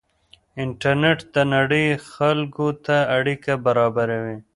انټرنېټ د نړۍ خلکو ته اړیکه برابروي.